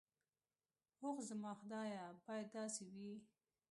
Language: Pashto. اوح زما خدايه بايد داسې وي.